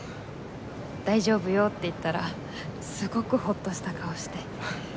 大丈夫よって言ったらすごくホッとした顔して。